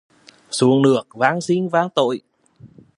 Xuống nước van xin tha tội